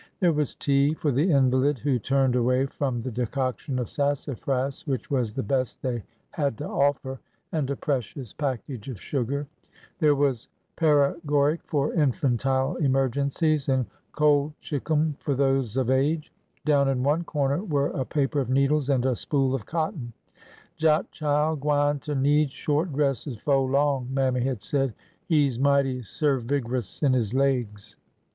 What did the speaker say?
There was tea for the invalid, who turned away from the decoction of sassafras which was the best they had to offer, and a precious package of sugar ; there was pare goric for infantile emergencies and colchicum for those of age; down in one corner were a paper of needles and a spool of cotton. (" Dat chile gwin^ter need sho^:t dresses To' long," Mammy had said ; he 's mighty serzngrous in his laigs.")